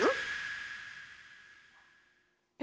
え？